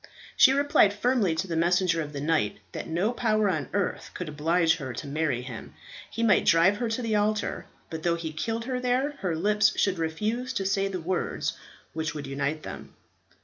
She replied firmly to the messenger of the knight that no power on earth could oblige her to marry him. He might drive her to the altar; but though he killed her there, her lips should refuse to say the words which would unite them.